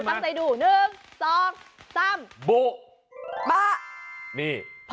บปนี่พอดไว้ค่ะทีมงานพอดไว้